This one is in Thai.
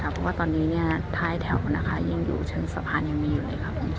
เพราะว่าตอนนี้ท้ายแถวนะคะยิ่งอยู่เชิงสะพานยังมีอยู่เลยครับผม